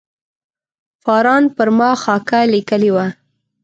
فاران پر ما خاکه لیکلې وه.